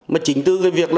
mà chỉnh tư về việc